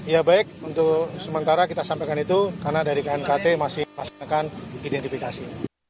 ya baik untuk sementara kita sampaikan itu karena dari knkt masih masakan identifikasi